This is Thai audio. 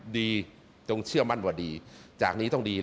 จงเชื่อมั่นว่าดีจากนี้ต้องดี